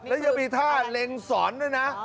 แล้วยังมีท่าเล็งสอนด้วยนะ